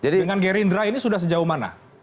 dengan gerindra ini sudah sejauh mana